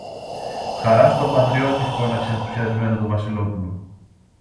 Χαρά στον πατριώτη φώναξε ενθουσιασμένο το Βασιλόπουλο.